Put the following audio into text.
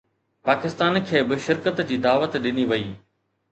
پاڪستان کي به شرڪت جي دعوت ڏني وئي